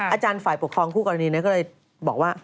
อาจารย์ฝ่ายปกครองคู่กรณีก็เลยบอกว่า